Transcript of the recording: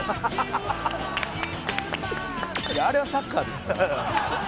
あれはサッカーです。